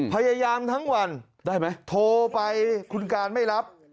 พยายามทั้งวันได้ไหมโทรไปคุณการไม่รับ